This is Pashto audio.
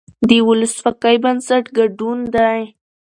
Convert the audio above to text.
د ولسواکۍ بنسټ ګډون دی